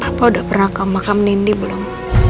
apa udah pernah ke makam nindi belum